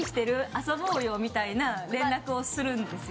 遊ぼうよみたいな連絡をするんですよ。